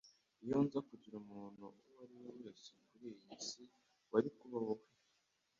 Iyo nza kugira umuntu uwo ari we wese ku isi, wari kuba wowe